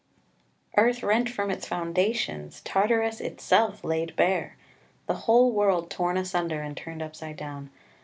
Earth rent from its foundations! Tartarus itself laid bare! The whole world torn asunder and turned upside down!